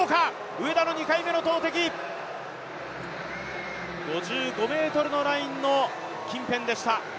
上田の２回目の投てき、５５ｍのライン近辺でした。